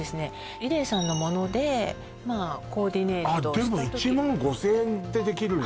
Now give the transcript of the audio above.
イデーさんのものでコーディネートした時でも１万５０００円でできるんだ